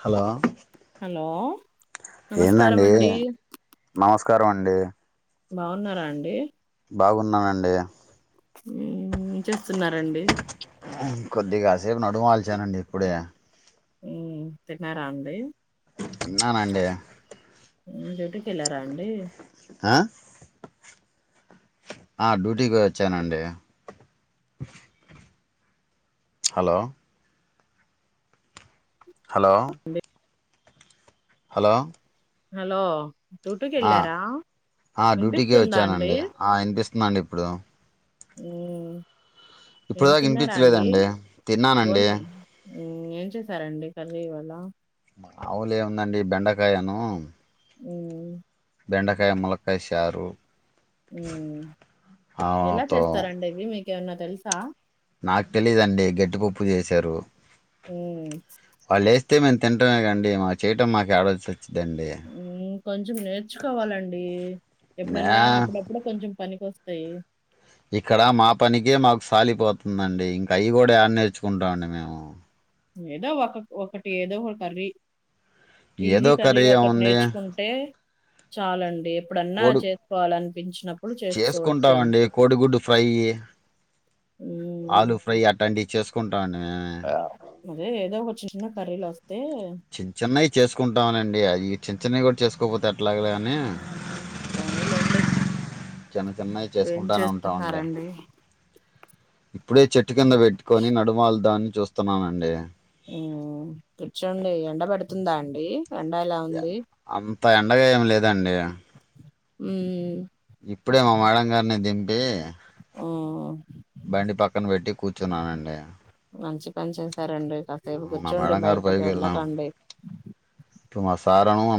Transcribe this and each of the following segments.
Hello hello నమస్కారం ఏందండి అండి నమస్క రం అండి బాగున్నారా అండి బాగున్నానండి. ఏంచేస్తున్నారండి. కొద్ది కాసేపు నడుమల్చానండి ఇప్పుడే. ఉ తిన్నారా అండి. తిన్నానండి. డ్యూటీకెల్లారా అండి. ఆ ఆ డ్యూటీకి వచ్చానండి. హలో హలో హలో హలో డ్యూటీకి ఆ వెళ్ళారా ఆ డ్యూటీకె వినిపిస్తుందా అండి వచ్చానండి ఆ ఇనిపిస్త చెప్న్నా అండి ఇప్పుడు మ్ ఇప్పుడదాక వినిపించలేదండి తిన్నానండి. భోంచే ఏం చేసారండి కర్రీ ఇవాళ మాములేముందండి బెండకాయన్నాం హ్ బెండకాయ ములకాయ చారు ఉ ఎలా ఆతో చేస్తారండి ఇవి మీ కె అన్నా తెలుసా నాకు తెలీదండి గట్టిపప్పు చేశారు. ఉ వాళ్ళు వేస్తే మేము తినటమే కాండి మా చేయటం మాకు ఏడ వచ్చిదండి మ్మ్ కొంచెం నేర్చుకోవాలండి. మ్యా ఎప్పుడన్నా అప్పుడప్పుడ కొంచెం పని కొస్తయి ఇక్కడ మా పనికిే మాకు సాలిపోతుందండి ఇంకా అవి కూడా ఏడ నేర్చుకుంటామండి మేము ఏదో ఒక ఒకటి ఏదో ఒ కర్రీ ఏదో ఈజీ కర్రీ ఒకటి ఏముంది నేర్చుకుంటే చాలండి ఎప్పుడన్నా కోడి చేసుకోవాలని పెించిన చేసుకుంటామండి కోడిగుడ్డు ఫ్రై హ్మ్. ఆలూ ఫ్రై ఆ టంటి చేసుకున్ అదే ఏదో ఒకచ్చి చిన్న కరీలోస్ తె చేసుకుంటానండి అది చిన్న చిన్నవి కూడా చేసుకోకపోతే ఎ ట్లాగలే అని హ్మ్. పోనీలెండి. చిన్న చిన్నవి ఏం చేసుకుంటానే ఉంటామండి చేస్తున్నారండి? ఇప్పుడే చెట్టు కింద పెట్టుకొని నడుమాల్దాని చూస్తున్నానండి ఉమ్ కూర్చోండి ఎండబెడుతుందా అండి ఎండ ఎలా ఉంది? అంత ఎండగా ఏమి లేదండి ఉమ్ ఇప్పుడే మా మేడం గారిని దింపి హ్మ్. బండి పక్కన పెట్టి కూర్చున్నానండి పనిచేశారండి కాసేపు మా కూచ్చోండి మేడం గారు పైకి బయటకెల్ల వెళ్ళాం కండి [unintelligible] మా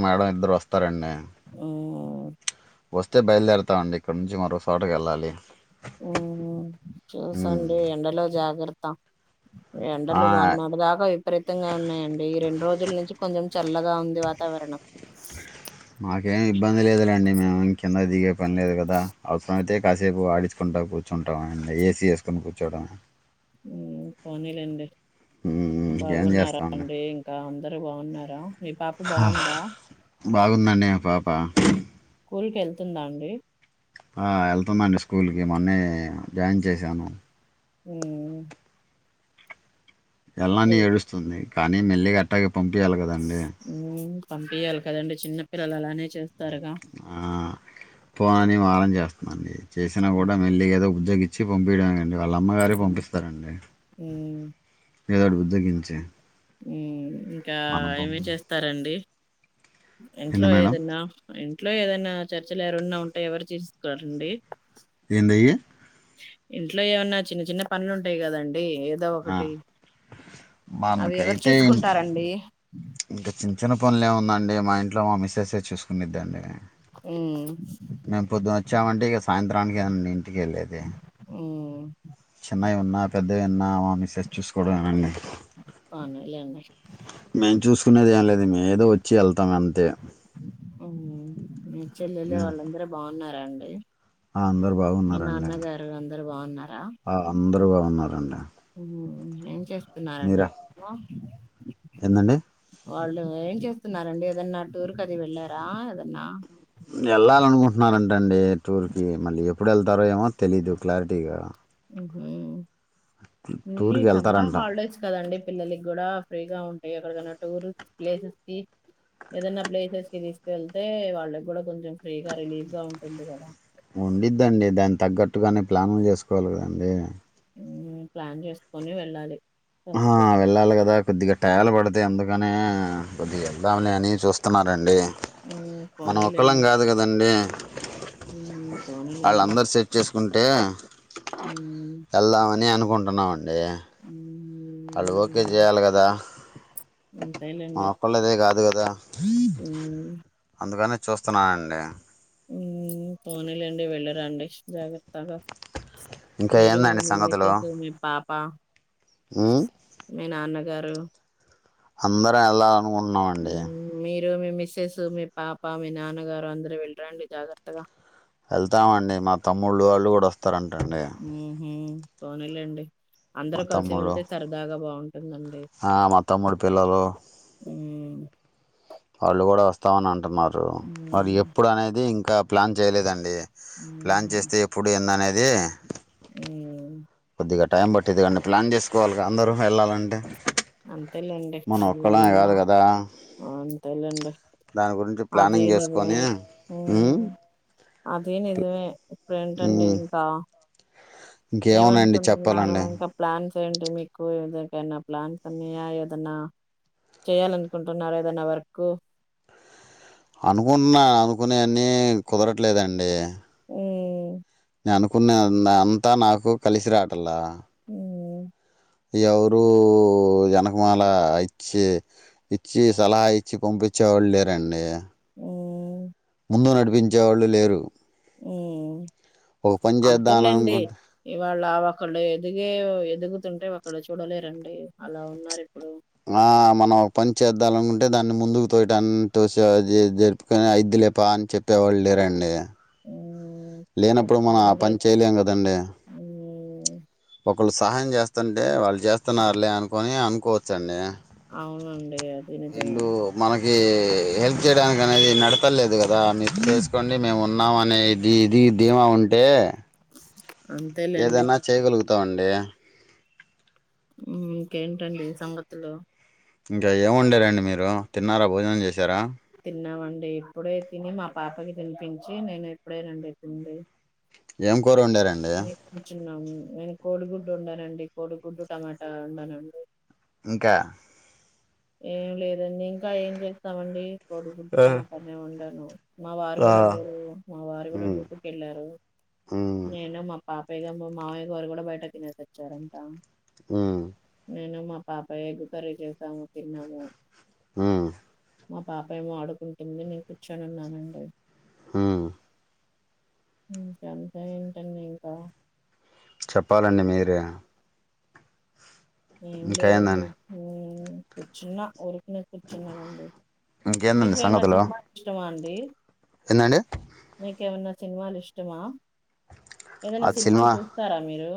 మేడం ఇద్దరు వస్తారండి ఉమ్ వస్తే బయలుదేరతామండి ఇక్కడ నుంచి మరో చోటకెళ్ళాలి ఊహు చూసండి ఎండలో జాగ్రత్త త్త ఆ, ఎండలు మొన్నడిదాకా విపరీతంగా ఉన్నాయండి ఈ రెండు రోజుల నుంచి కొంచెం చల్లగా ఉంది వాతావరణం మాకేమి ఇబ్బంది లేదులేండి మేము కింద దిగే పని లేదు కదా అవసరమైతే కాసేపు ఆడించుకుంటా కూర్చుంటాం ఏసీ వేసుకొని కూర్చోడం ఉమ్ పోనీలెండి ఉమ్, ఇంకేం బాగున్నారా చేస్తామండి అండి ఇంకా అందరు బాగున్నారా మీ పాప బాగుందా బాగుందండి పాప స్కూల్కెళ్తుందా అండి ఆ వెళ్తుందండి స్కూల్కి మొన్నే జాయిన్ చేశాను ఉమ్ ఎల్లననీ వెల్ ఏడుస్తుంది కానీ మెల్లిగట్టాగె పంపియాలె కదండి ఉమ్ పంపియాలి కదండి చిన్నపిల్లలు అలానే చేస్తారుగా ఆ పోని మారం చేస్తుందండి చేసినా కూడా మెల్లిగ ఏదొ తెగిచ్చి పంపియడమే ఇగ వాళ్ళమ్మగారే పంపిస్తారండి ఉమ్ ఏదో ఓటి బుజ్జగించి హు ఇంకా మనం ఏమి పంపి చేస్తారండి ఇంట్లో ఏంది మేడం ఏదన్నా ఫై ఇంట్లో ఏదైనా చర్చలు ఎవరున్నా ఉంటే ఎవరు చేసిస్తారండి ఏందయ్యి ఇంట్లో ఏమన్నా చిన్న చిన్న పనులు ఉంటాయి కదండి డి ఏదో ఆ! ఒకటి అవి ఎవరు మనకైతే చూసుకుంటారండి న్న పనులులేముందండి మా ఇంట్లో మా మసేస్ ఏ చూసుకు ద్దండి ఉమ్ మేము పొద్దున వచ్చామంటే ఇక సాయంత్రానికే అండి ఇంటికి వెళ్ళేది ఉమ్ చిన్నవి ఉన్నా పెద్దవి ఉన్నా మామిసెస్ చూసుకోవడంమే నండి అవునులేండి మేము చూసుకునేది ఏం లేదు ఏదోచ్ చెల్ ఆ చెల్లెళ్ళు వాళ్ళందర బాగున్నార అండి ఆ అందరు మీ బాగున్నారండి నాన్నగారు అందరు బాగున్నారా ఆ అందరు బాగున్నారు అండి [inaudible] ఏం చేస్తున్నారండి ఏందండి వాళ్ళు ఏం చేస్తున్నారండి ఏదన్నా టూర్ కది వెళ్ళారా ఏదన్నా వెళ్ళాలనుకుంటున్నారంట అండి టూర్కి మళ్ళీ ఎప్పుడు వెళ్తారో ఏమో తెలీదు క్లారిటీగా [unintelligible] హు టూర్కి సమ్మర్ వెళ్తారంట హాలిడేస్ కదండి పిల్లలకి కూడా ఫ్రీగా ఉంటాయి ఎక్కడికనా టూరిస్ట్ ప్లేసెస్ కి ఏదైనా ప్లేసెస్ కి తీసుకుళ్తే వాళ్ళకి కూడా కొంచెం ఫ్రీగా రిలీఫ్ గా ఉంటుంది కదా ఉండిద్దండి దాన్ని తగ్గట్టుగానే ప్లాను చేసుకోవాలి కదండి ప్లాన్ చేసుకొని వెళ్ళాలి ఆ ఫస్ట్ వెళ్ళాలి కదా కొద్దిగాట్ట టేలు పడితే అందుకనే కొద్దిగా వెళ్దాము లే అని చూస్తున్నారండి హ్మ్ మనం ఒక్కలం పోనీలెండి. కాదు కదండి హ్మ్ వాళ్ళు పోనీలెండి. అందరు సెట్ చేసుకు ఉంటే హ్మ్. ఏళ్దాం అని అనుకు అనుకుంటున్నామండి హ్మ్. మా ఒక్కళ్లదే కాదు కాద దా అ అందుకనే చూస్తున్నానండి హ్ పోన్లేండి వెళ్ళిరాండి జాగ్రత్త గా ఇంకా మీరు ఏందండి మీ సంగతులు [unintelligible] మీ పా ప ఉమ్ మీ నాన్న గారు అందరం వెళ్ళాలనుకుంటున్నామండి. రు, మీ మిస్సెస్, మీ పాప, మీ నాన్నగారు అందరు వెళ్ళరండి జాగ్రత్తగా వెళ్తాం అండి మా తమ్ముళ్ళు వాళ్ళు కూడా వస్త ఉహ్ పోనిలెండి మా అందరు కలిసి తమ్ముడు వెళ్తే సరదాగా బావుం ఆ మా తమ్ముడి పిల్లలు అ వాళ్ళు కూడా వస్తామని అ ంటున్నారు మరి హ్మ్. ఎప్పుడు అనేది ఇం కా ప్లాన్ చేయలేదండి. ప్లాన్ హ్మ్. చేస్తే ఎప్పుడు ఎందనే ది హ్మ్. ఇగ టైం పట్టిద్ది కాండి ప్లాన్ చేసుకోవాలిగా అందరూ వెళ్ళాలంటే అంతేలేండి మనం ఒక్కళ్ళమే కాదు వెళ్ళాలన్నా కదా అంతేలండి దాని గురించి అది ప్లానింగ్ చేసుకొని నిర్ణయం ఉమ్ హ్మ్ అది నిజమే ఇప్పుడేంటండి ఉమ్ ఇంకా ఇంకేమున్నాయండి ఏమనుకుంటున్నారు చెప్పాలండి ఇంకా ప్లాన్స్ ఏంటి మీకు ఏనా ప్లాన్స్ అన్నాయా ఏదన్నా చేయాలనుకుంటున్నార ఏదన్నా వర్క్ అనుకుంటున్నాను అనుకునే అన్నీ కుదరట్లేదండి. హ్ నేను అనుకునే అంతా నాకు కలిసి రాటంలా హ్ ఎవరూ ఎనకమాల ఇచ్చి ఇచ్చి సలహా ఇచ్చి పంపించేవాళ్ళు లేరండి. హ్మ్ ముందు నడిపించేవాళ్ళు లేరు. హ్మ్ ఒక పని చేద్దాం అని అనుకుంటే వాళ్ళ ఒకళ్ళు ఎదిగే ఎదుగుతుంటే ఒకళు చూడలేరండి అలా ఉన్నారు. ఇప్పుడు ఆ మనం ఒక పని చేద్దాలనుకుంటే దాన్ని ముందుకు తోయటాన్ని తోసి జరుపుకొని అయిద్దు లే పా అని చెప్పేవాళ్ళు లేరండి. హ్మ్ లేనప్పుడు మనం ఆ చెప్పలేండి పని చేయలేం కదండి. ఉ ఒకళ్ళు సహాయం చేస్తుంటే వాళ్ళు చేస్తున్నారులే అనుకుని అనుకోవచ్చు అండి అవును ఇల్లు మనక్ ఏ హెల్ప్ చేయడానికి అనేది నడతంలేదు కదా మీరు చేసుకోండి మేము ఉన్నామ అనేది ఇది ధీమా ఉంటే అంతేలేండి తాండి మ్మ్ ఇంకేంటండి సంగతులు ఇంకా ఏం వొండారండి మీరు తిన్నారా భోజనం చేశారా తిన్నామండి ఇప్పుడే తిని మా పాపకి తినిపించి నేను ఎప్పుడేనండి తిందు ఎం కూర వొండారండి నేను కోడిగుడ్డు వొండానండి కోడిగుడ్డు టమాటా వొండానండి ఇంకా ఏం లేదండి ఇంకా ఏం చేస్తామండి కోడిగుడ్డు ఆ టమాట నే వొండాను. మా వారు ఆ కూడా లేరు మా వారు కూడా మ్మ్ డ్యూటీకి వెళ్ళారు మ్మ్ నేను మా పాపయ్య గారు మావయ్య గారు కూడా బయట తినేసి వచ్చారంట మ్మ్ నేను మా పాప ఎగ్గు కర్రీ చేసాము తిన్నాము మ్మ్ మా పాప ఏమో ఆడుకుంటుంది నేను కూర్చొని ఉన్నానండి మ్మ్ ఇంకా అంతా ఏంటండి ఇంకా చెప్పాలండి మీరే ఏం లేదండి ఇంకేందండి మ్మ్ చిన్న ఓడు నను కూర్చున్నానండి ఇంకేందండి మీకేమనా సంగతులు సినిమా ఇష్టమా అండి ఏ ఏందండి మీకేమన్నా సినిమలు ఇష్టమా ఏదైనా ఆ సినిమాలు సినిమా చూస్తారా మీరు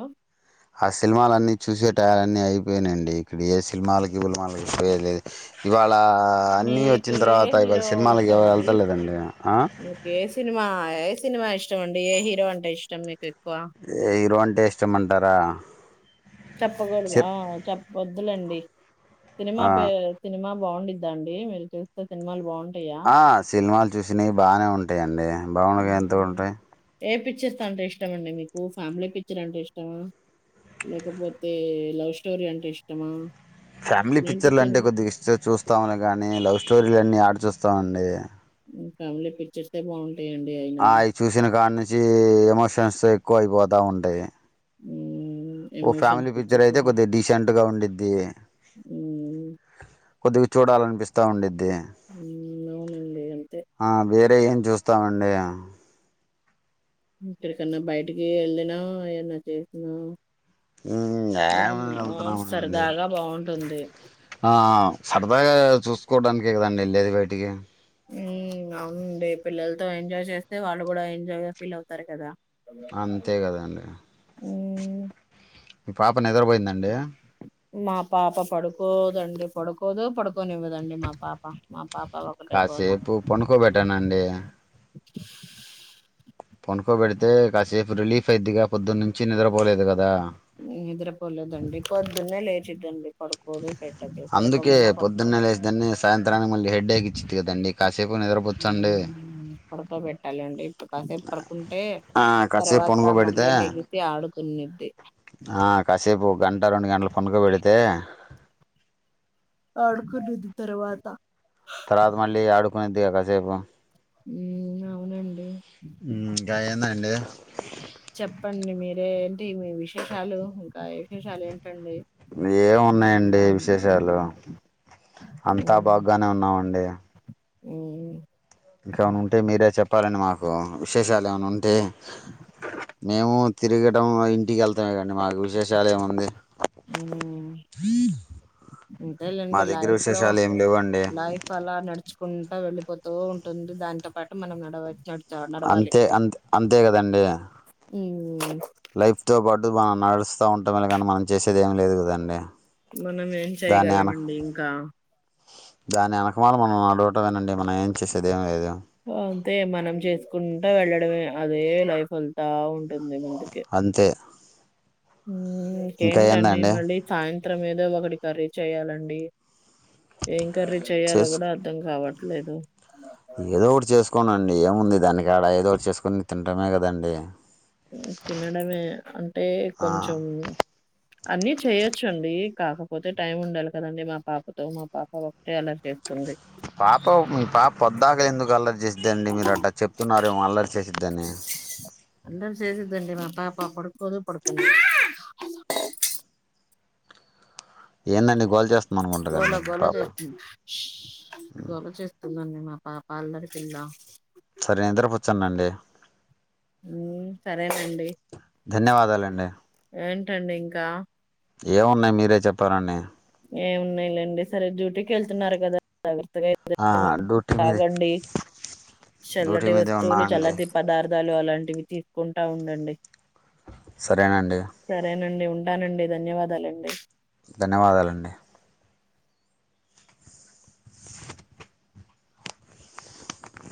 ఆ సినిమాలన్నీ చూసే టయాల అన్నీ అయిపోయినండి ఇక్కడ ఏ సినిమాలకి గిలమాలకి పోయలేదు ఇవాళ ఇలా అన్ని మీకు వచ్చిన ఏ తర్వాత ఇవాళ హీరో సినిమాలకి ఎవరు ఇష్టమండి? వెళ్తలేదండి ఆ మీకు ఏ సినిమా ఏ సినిమా ఇష్టం అండి ఏ హీరో అంటే ఇష్టం మీకు ఎక్కువ? ఏ హీరో అంట్ టేష్టమంటారా చెప్పకూడదు ఆ చెప్పద్దు వద్దులెండి సినిమా ఆ పేర్ సినిమా బాగుండిద్దా అండి మీరు చూస్తే సినిమాలు బా ఆ సినిమాలు చూసినై బానే ఉం అంతే అండి బాగుండగా ఎందుకు హ్మ్. న్టై ఏ పిక్చర్స్ అంటే ఇష్టమండి మీకు ఫ్యామిలీ పిక్చర్ అంటే ఇష్టమా లేకపోతే లవ్ స్టోరీ అంటే ఇష్టమా ఫ్యామిలీ ఇలాంటి పిక్చర్లు అంటే ఫిల్మ్ కొద్దిగా ఇష్ట చూస్తాను కానీ లవ్ స్టోరీలన్నీ ఏడ చూస్తామండి ఫ్యామిలీ పిక్చర్స్ ఏ బా ఆయ్ చూసిన కాడినుం చే ఎమోషన్స్ ఎక్కువ అయిపోతా ఉంటాయి హ్మ్. ఓ ఎమోషన్స్ ఫ్యామిలీ పిక్చర్ పిక్చర్స్ అయితే హ్మ్. కొద్ది డీసెంట్ గా ఉండి దే కొద్దిగా చూడాలనిపిస్తా ఉండిది హ్మ్. అవునండి. అంతే. ఆ వే అంటే ఏం చూస్తామండి ఇక్కడికన్నా బయటికి వెళ్ళినా ఏన్నా చేసినా ఏమొ ఏదన్నా వెళ్తున్నాము అండి సరదాగా బావుంటుంది. ఆ సరదాగా చూస్ కోడానికి కదండి వెళ్ళేది బయటికి అవునండి పిల్లలతో ఎంజాయ్ చేస్తే వాళ్ళు కూడా ఎంజాయ్ గా ఫీల్ అవుతారు కదా అంతే కదండి హ్మ్. మీ పాప నిద్రపోయిందండి మా పాప పడుకోదండి పడుకోదు పడుకోనివ్వదండి మా పాప మా పాప ఒకటే గోల. కాసేపు పనుకోబెట్టానండి పొనుకోబెడితే కాసేపు రిలీఫ్ అయిద్దిగా పొద్దునుంచి నిద్రపోలేదు కదా నిద్రపోలేదండి పొద్దున్నే లేచిద్దండి పడుకోదు పెట్టదు అందుకే పడుకోమన్నా పొద్దున్నే పడుకోదు లేసిద్దని సాయంత్రానికి మళ్ళీ హెడేక్ ఇచ్చిది కదండీ కాసేపు నిదర పుచ్చండి పడుకో పెట్టాలి అంటే కాసేపు పడుకుంటే ఆ కాసేపు తర్వాత పనుకోబెడితే మళ్ళీ లెగిసి ఆడు కొన్నిటి ఆ కాసేపు ఒక గంట రెండు గంటలు పొనుకొ పెడితే ఆడుకునిద్ది తరవాత తర్వాత మళ్ళీ ఆడుకునిద్దిగా కాసేపు అవునండి ఇంకా ఏందండి చెప్పండి మీరే? ఏమేమి విశేషాలు ఇంకా ఏం విశేషాలు ఏంటి ఏం ఉన్నాయండి ఉన్నారు విశేషాలు అందరూ అంతా బాగానే ఉన్నామండి. ఉ ఇంకేమన్నా ఉంటే మీరే చెప్ ప్పాలండి మాకు విశేషాలు ఏమైనా ఉంటే మేము తిరగటం ఇంటికెళ్తాం ఇగ నేనేమీ మా అంతేలెండి దగ్గర లైఫ్లో విశేషాలు ఏమి లేవండి లైఫ్ అలా నడుచుకుంటా వెల్లిపో తూ ఉంటుంది. దాంతో పాటు మనం నడవా అంతే అంతే అంతే కదండి. ఉ వా నడుస్త ఉంటా కానీ మనం చేసేది ఏం లేదు కదండి. మనం ఏం చేయ్యగలమండి ఇంకా దాని యెనక మనం [inaudible] మనం ఏం చేసేది ఏం లేదు. అంతే మనం చేసుకుంటా వెళ్ళడమే అదే లైఫ్ ఎల్తా ఉం [inaudible] అంతే ఇంకా మీకెంటండి ఏందండి మళ్ళీ సాయంత్ త్రం ఏదో ఒకటి కర్రీ చేయ్యాలండి. ఏం కర్రీ చేయాలో చేసు గుడా అర్థం కావట్ లేదు. ఏదో ఒకటి చేసుకోన ఏముంది దాని కాడ ఏదో ఒకటి చేసుకుని తిండమే కదండి. తినడమే అంటే ఆ కొంచం అన్నీ చేయ్యొచ్చు అండి కాకపోతే టైం ఉండాలి కదండి మా పాపతో మా పాప ఒకటే అల్లరి చే పాప మీ పాప పొద్దాక ఎందుకు అల్లరి చేసిందిండి మీరు అట్ల చెప్తున్నారేమో అల్లరి చే అల్లరి చేసుద్దండీ మా పాపా అప్పు [unintelligible] ఏందండి గోల చేస్తుంది గోల అనుకుంటదండి మీ గోల పాప చేస్తుంది. గోల చేస్తుందండి మా పాప అల్లరి పిల్ల సరే నిద్రపుచ్చన్దండి. సరేనండి ధన్యవాదాలండి ఏ టండీ ఇంకా ఏమున్నాయి మీరే చెప్పాలండి. ఏమున్నాయిలేండి సరే డ్యూటీకి వెళ్తున్నారు కదా డ్యూటీ మీద తాగండి డ్యూటీ చల్లటి మీదే ఉన్నా వస్తువులు అండి చల్లటి పదార్థాలు అలాంటివి తీసుకుంటా ఉండండి. సరేనండి ండి ఉంటానండి ధన్యవాదాలండి. ధన్యవాదాలండి.